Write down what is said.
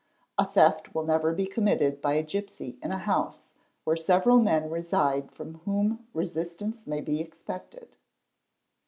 A theft will never be committed by a, gipsy in a house where several men reside from whom resistance may be expected.